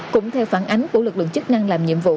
cũng theo phản ánh của lực lượng chức năng làm nhiệm vụ